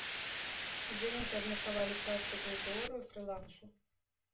Удзельнікі абмеркавалі практыку і тэорыю фрылансу.